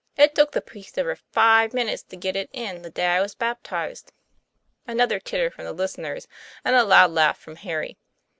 It took the priest over five minutes to get it in, the clay I was baptized." Another titter from the listeners, and a loud laugh from Harry.